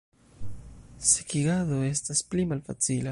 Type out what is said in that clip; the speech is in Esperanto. Sekigado estas pli malfacila.